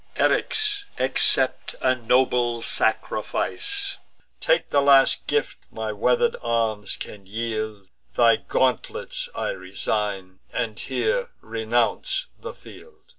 Eryx, accept a nobler sacrifice; Take the last gift my wither'd arms can yield: Thy gauntlets I resign, and here renounce the field."